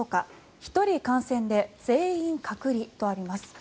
１人感染で全員隔離とあります。